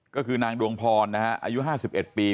ก็คือนางดวงพรนะฮะอายุห้าสิบเอ็ดปี